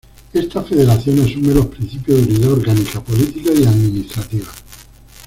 Esta Federación asume los principios de unidad orgánica, política y administrativa.